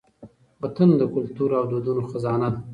وطن د کلتور او دودونو خزانه ده.